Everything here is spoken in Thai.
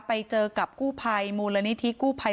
ไปเจอกับกู้ไพโมโลนิธีกู้ไพ